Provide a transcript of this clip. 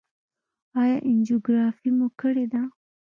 ایا انجیوګرافي مو کړې ده؟